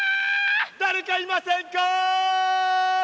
だれかいませんか？